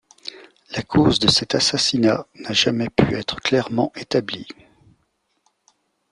La cause de cet assassinat n'a jamais pu être clairement établie.